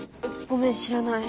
ごめん知らない。